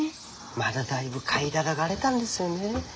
まだだいぶ買いただがれだんですよねえ。